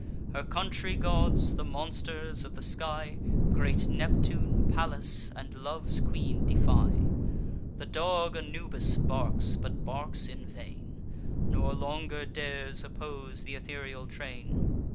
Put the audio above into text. Her country gods, the monsters of the sky, Great Neptune, Pallas, and Love's Queen defy: The dog Anubis barks, but barks in vain, Nor longer dares oppose th' ethereal train.